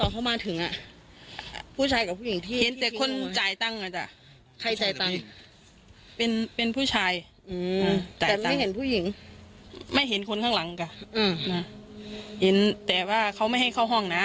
เป็นผู้ชายแต่ไม่เห็นผู้หญิงไม่เห็นคนข้างหลังก็แต่ว่าเขาไม่ให้เข้าห้องนะ